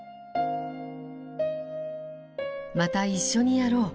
「また一緒にやろう。